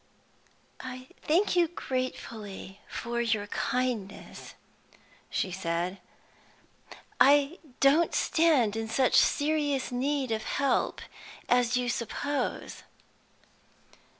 "I thank you gratefully for your kindness," she said. "I don't stand in such serious need of help as you suppose."